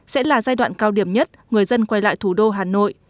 sẽ là giai đoạn cao điểm nhất người dân quay lại thủ đô hà nội